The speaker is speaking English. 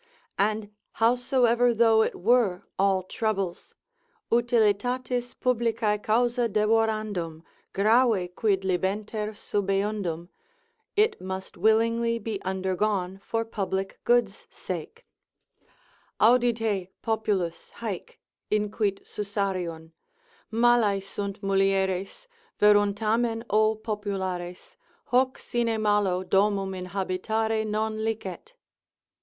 And howsoever though it were all troubles, utilitatis publicae causa devorandum, grave quid libenter subeundum, it must willingly be undergone for public good's sake, Audite (populus) haec, inquit Susarion, Malae sunt mulieres, veruntamen O populares, Hoc sine malo domum inhabitare non licet.